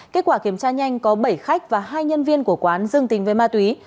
kết quả kiểm tra nhanh có bảy khách và hai nhân viên của quán dương tình với ma túy